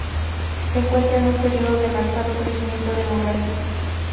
Se encuentra en un periodo de marcado crecimiento demográfico.